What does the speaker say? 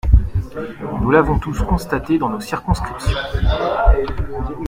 Nous l’avons tous constaté dans nos circonscriptions.